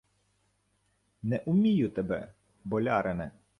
— Не умію тебе, болярине.